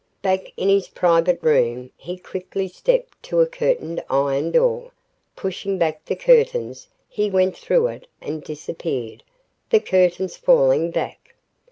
Back in his private room, he quickly stepped to a curtained iron door. Pushing back the curtains, he went through it and disappeared, the curtains falling back.